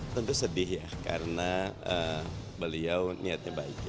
tentu sedih ya karena beliau niatnya baik